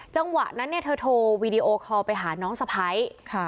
จังหวะนั้นเนี่ยเธอโทรวีดีโอคอลไปหาน้องสะพ้าย